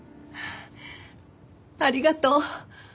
ありがとう！